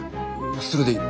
それでいい。